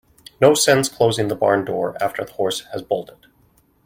No sense closing the barn door after the horse has bolted.